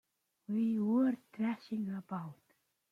We were trashing about.